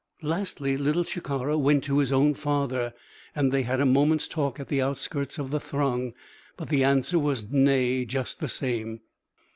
Lastly Little Shikara went to his own father, and they had a moment's talk at the outskirts of the throng. But the answer was nay just the same.